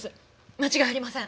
間違いありません。